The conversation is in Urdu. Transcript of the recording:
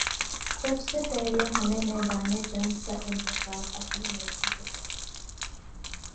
سب سے پہلے ہمیں میدان جنگ کا انتخاب اپنی مرضی سے کرنا چاہیے۔